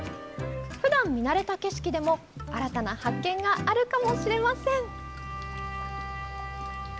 ふだん見慣れた景色でも新たな発見があるかもしれません。